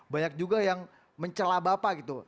banyak juga yang mencelabapa gitu